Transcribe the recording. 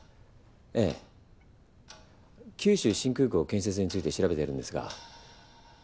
ええ九州新空港建設について調べてるんですが。